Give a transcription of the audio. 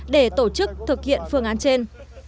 để tổ chức thực hiện phương án trên